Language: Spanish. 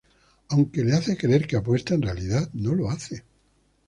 Aunque, le hace creer que apuesta, en realidad, no lo hace.